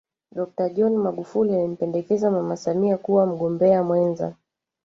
Dokta John Magufuli alimpendekeza Mama Samia kuwa mgombea mwenza